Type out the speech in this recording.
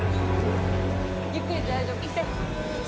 ゆっくりで大丈夫です。